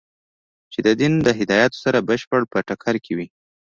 چې د دین له هدایاتو سره بشپړ په ټکر کې وي.